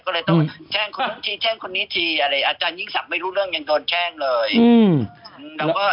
ก็เลยต้องแช่งคนนี้ทีแช่งคนนี้ทีอาจารย์ยิ่งสับไม่รู้เรื่องยังโดนแช่งเลย